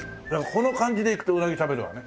この感じでいくと鰻食べるわね。